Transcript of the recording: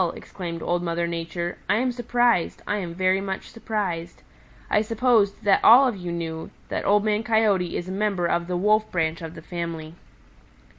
exclaimed Old Mother Nature, "I am surprised. I am very much surprised. I supposed that all of you knew that Old Man Coyote is a member of the Wolf branch of the family."